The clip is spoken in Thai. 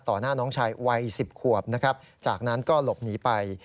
ต่อหน้าน้องชายวัย๑๐ขวบจากนั้นก็หลบหนีไป